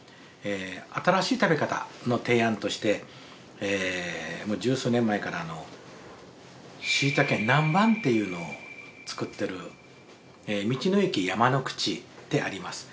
新しい食べ方の提案として十数年前からしいたけ南蛮っていうのを作ってる道の駅山之口であります。